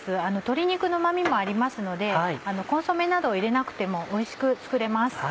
鶏肉のうま味もありますのでコンソメなどを入れなくてもおいしく作れます。